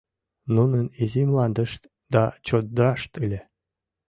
Нунын изи мландышт да чодырашт ыле.